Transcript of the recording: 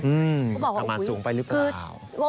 ประมาณสูงไปหรือเปล่า